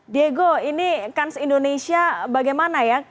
diego ini kans indonesia bagaimana ya